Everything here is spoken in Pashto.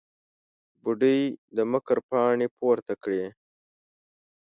بوډۍ د مکر پاڼې پورته کړې.